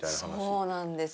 そうなんです。